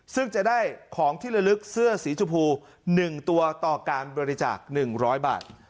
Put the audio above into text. ซึ่งจะได้ของที่ละลึกเสื้อสีชมพู๑ตัวต่อการบริจาค๑๐๐บาท